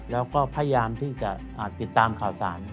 แล้วก็พยายามที่จะติดตามข่าวสาร